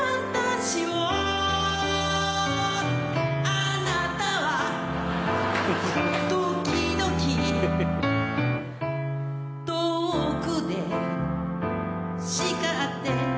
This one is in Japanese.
「あなたはときどき」「遠くでしかって」